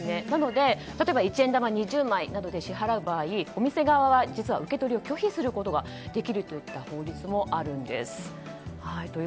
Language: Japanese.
なので例えば一円玉２０枚などで支払う場合、お店側は実は受け取りを拒否することができるという法律もあるんです。